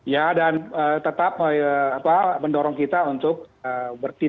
ya dan tetap mendorong kita untuk mencari penyelesaian